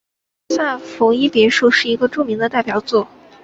萨伏伊别墅是一个著名的代表作。